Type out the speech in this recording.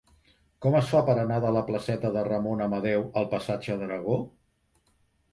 Com es fa per anar de la placeta de Ramon Amadeu al passatge d'Aragó?